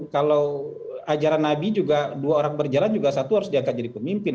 kalau ajaran nabi juga dua orang berjalan juga satu harus diangkat jadi pemimpin